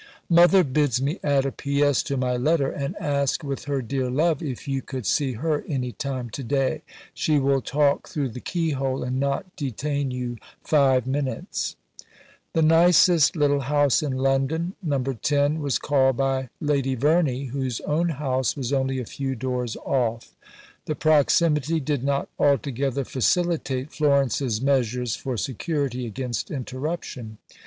"Mother bids me add a P.S. to my letter and ask with her dear love if you could see her any time to day; she will talk through the keyhole and not detain you five minutes." "The nicest little house in London," No. 10 was called by Lady Verney, whose own house was only a few doors off. The proximity did not altogether facilitate Florence's measures for security against interruption.